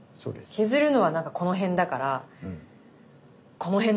削るのはなんかこの辺だからこの辺のどこか。